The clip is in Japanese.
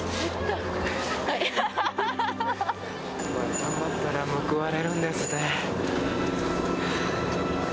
頑張ったら報われるんですね。